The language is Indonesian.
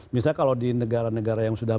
misalnya kalau di negara negara yang sudah